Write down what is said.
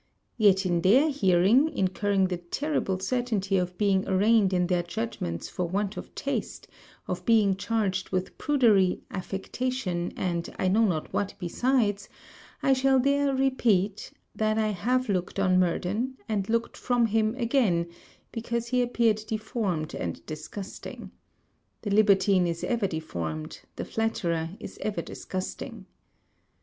Yet in their hearing, incurring the terrible certainty of being arraigned in their judgments for want of taste, of being charged with prudery, affectation, and I know not what besides, I shall dare repeat, that I have looked on Murden, and looked from him again, because he appeared deformed and disgusting. The libertine is ever deformed; the flatterer is ever disgusting.